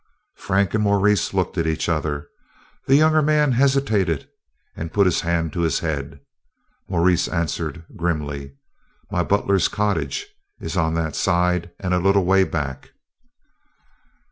Frank and Maurice looked at each other. The younger man hesitated and put his hand to his head. Maurice answered grimly, "My butler's cottage is on that side and a little way back."